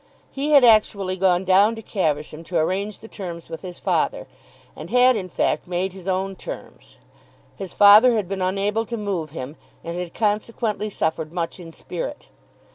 He had actually gone down to Caversham to arrange the terms with his father, and had in fact made his own terms. His father had been unable to move him, and had consequently suffered much in spirit.